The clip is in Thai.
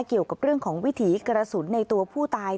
เกี่ยวกับเรื่องของวิถีกระสุนในตัวผู้ตาย